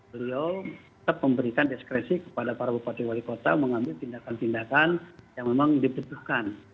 beliau tetap memberikan diskresi kepada para bupati wali kota mengambil tindakan tindakan yang memang dibutuhkan